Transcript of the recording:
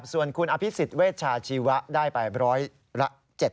ส่วนคุณอภิษฎเวชาชีวะได้ไปร้อยละ๗๐